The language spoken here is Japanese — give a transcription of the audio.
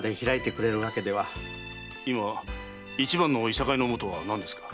今一番の諍いのもとは何ですか？